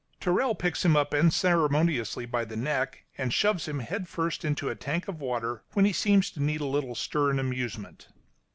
Tyrrell picks him up unceremoniously by the neck and shoves him head first into a tank of water, when he seems to need a little stir and amusement.